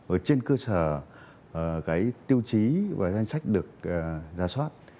ở trên cơ sở cái tiêu chí và danh sách được giả soát